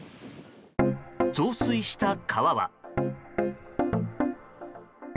増水した川は。